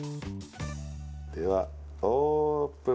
では、オープン。